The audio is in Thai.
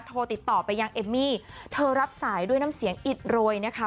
โทรติดต่อไปยังเอมมี่เธอรับสายด้วยน้ำเสียงอิดโรยนะคะ